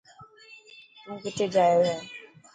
تون ڪٿي جايو هي.